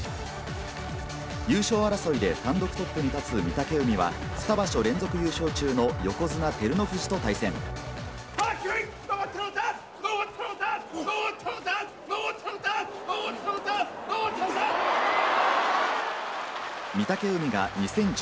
優勝争いで単独トップに立つ御嶽海は、２場所連続優勝中の横綱・照ノ富士と対戦。